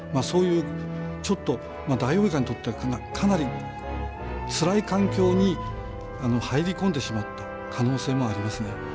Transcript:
そういうダイオウイカにとってはかなりつらい環境に入り込んでしまった可能性もありますね。